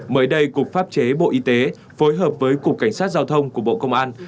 mới đây cục pháp chế bộ y tế phối hợp với cục cảnh sát giao thông của bộ công an